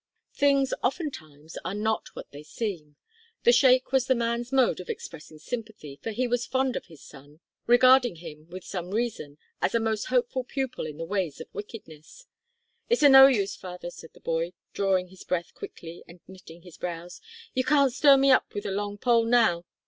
Things oftentimes "are not what they seem." The shake was the man's mode of expressing sympathy, for he was fond of his son, regarding him, with some reason, as a most hopeful pupil in the ways of wickedness. "It's o' no use, father," said the boy, drawing his breath quickly and knitting his brows, "you can't stir me up with a long pole now.